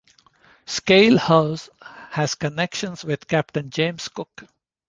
Skaill House has connections with Captain James Cook.